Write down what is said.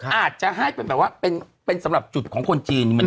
อาจจะให้เป็นแบบว่าเป็นสำหรับจุดของคนจีน